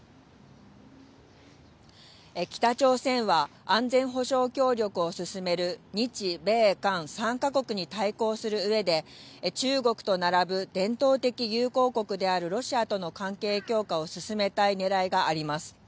北朝鮮は、安全保障協力を進める日米韓３か国に対抗するうえで、中国と並ぶ伝統的友好国であるロシアとの関係強化を進めたいねらいがあります。